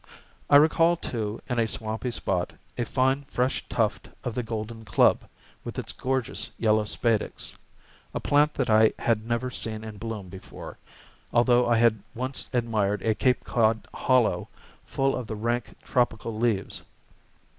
I recall, too, in a swampy spot, a fine fresh tuft of the golden club, with its gorgeous yellow spadix, a plant that I had never seen in bloom before, although I had once admired a Cape Cod "hollow" full of the rank tropical leaves.